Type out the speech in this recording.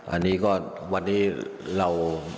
อันนี้ก็วันนี้เรา